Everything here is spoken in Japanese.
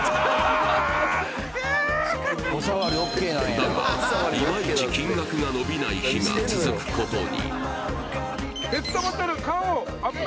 だが、いまいち金額が伸びない日が続くことに。